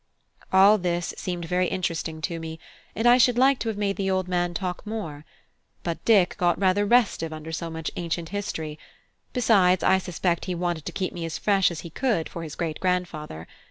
All this seemed very interesting to me, and I should like to have made the old man talk more. But Dick got rather restive under so much ancient history: besides, I suspect he wanted to keep me as fresh as he could for his great grandfather.